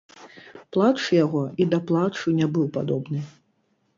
Плач яго і да плачу не быў падобны.